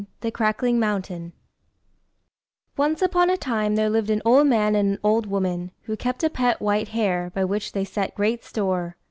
(2)] THE CRACKLING MOUNTAIN Once upon a time there lived an old man and an old woman, who kept a pet white hare, by which they set great store.